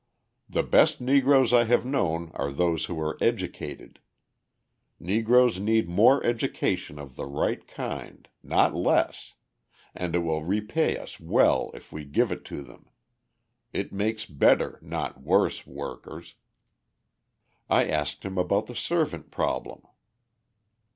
The best Negroes I have known are those who are educated; Negroes need more education of the right kind not less and it will repay us well if we give it to them. It makes better, not worse, workers." I asked him about the servant problem.